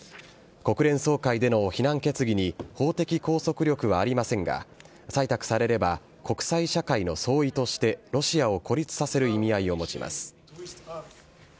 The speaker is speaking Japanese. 国連総会での非難決議に法的拘束力はありませんが、採択されれば、国際社会の総意として、ロシアを孤立させる意味合いを持ちます。